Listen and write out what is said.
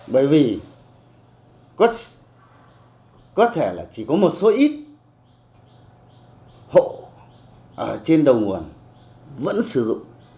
bởi vì có thể là chỉ có một số ít hộ trên đầu nguồn vẫn sử dụng